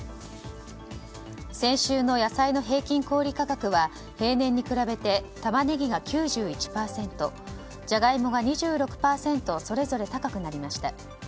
先週の野菜の平均小売価格は平年に比べてタマネギが９１％ジャガイモが２６％それぞれ高くなりました。